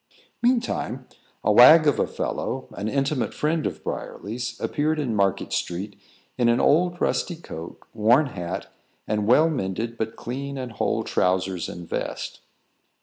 Meantime, a wag of a fellow, an intimate friend of Briarly's, appeared in Market street in an old rusty coat, worn hat, and well mended but clean and whole trowsers and vest.